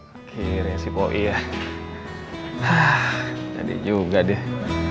akhirnya si poi ya ah jadi juga deh